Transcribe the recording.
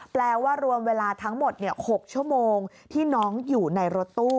แปลว่ารวมเวลาทั้งหมด๖ชั่วโมงที่น้องอยู่ในรถตู้